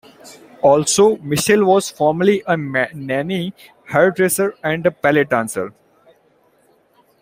Also, Michelle was formerly a nanny, hairdresser, and a ballet dancer.